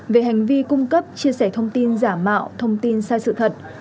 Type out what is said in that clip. về hành vi cung cấp chia sẻ thông tin giả mạo thông tin sai sự thật